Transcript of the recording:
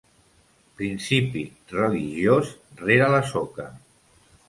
Principi religiós rere la soca.